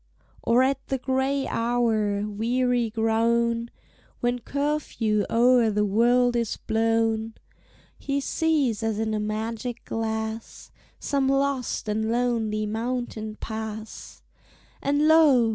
Or at the gray hour, weary grown, When curfew o'er the wold is blown, He sees, as in a magic glass, Some lost and lonely mountain pass; And lo!